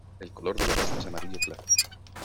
El color de la pasta es amarillo claro.